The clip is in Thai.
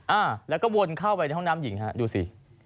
อ่าแล้วก็วนเข้าไปในห้องน้ำหญิงฮะดูสิ